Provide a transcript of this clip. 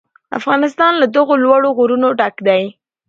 افغانستان له دغو لوړو غرونو ډک دی.